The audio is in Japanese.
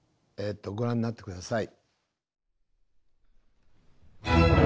ご覧になって下さい。